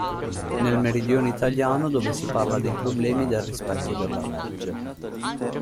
Nel meridione italiano dove si parla dei problemi del rispetto della legge.